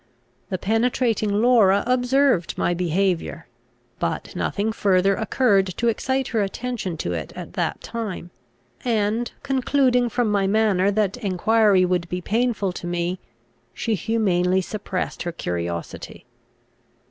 The penetrating Laura observed my behaviour; but nothing further occurred to excite her attention to it at that time; and, concluding from my manner that enquiry would be painful to me, she humanely suppressed her curiosity.